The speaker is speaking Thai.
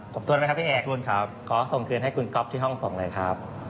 ขอบคุณครับพี่เอกขอส่งเงินให้คุณก๊อฟที่ห้องส่งเลยครับ